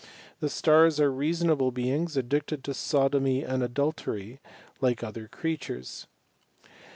The stars are reasonable beings addicted to sodomy and adultery, like other creatures.